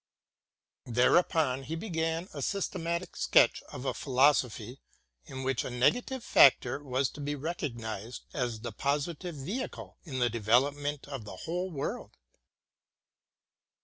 Thereupon he 4 THE GERMAN CLASSICS began a systematic sketch of a philosophy in which a nega tive factor was to be recognized as the positive vehicle in the development of the whole world.